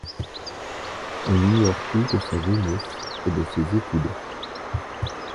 On ignore tout de sa jeunesse et de ses études.